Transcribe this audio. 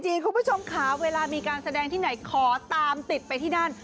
คุณผู้ชมค่ะเวลามีการแสดงที่ไหนขอตามติดไปที่นั่น